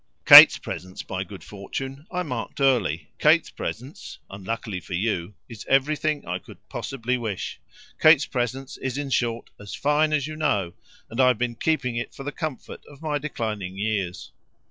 Kate's presence, by good fortune, I marked early. Kate's presence unluckily for YOU is everything I could possibly wish. Kate's presence is, in short, as fine as you know, and I've been keeping it for the comfort of my declining years.